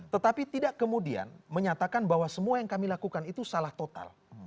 tetapi tidak kemudian menyatakan bahwa semua yang kami lakukan itu salah total